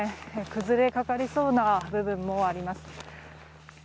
崩れかかりそうな部分もあります。